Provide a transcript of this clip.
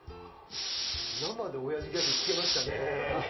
生でおやじギャグを聞けましたね。